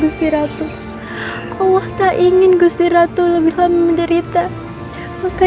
sehingga gusti ratu meninggal dunia